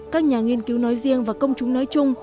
các nhà nghiên cứu nói riêng và công chúng nói chung